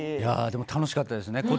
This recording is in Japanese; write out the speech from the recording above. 楽しかったですね。